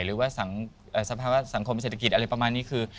หรือว่าสภาวะสังคมเศรษฐกิจอะไรประมาณนี้คือ